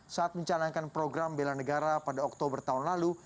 saat mencalankan program belan negara pada oktober tahun lalu